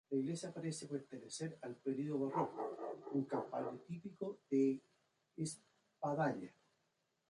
La iglesia parece pertenecer al período barroco, con campanario típico de espadaña.